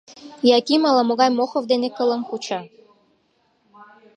Яким ала-могай Мохов дене кылым куча.